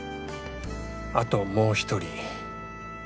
あともう１人。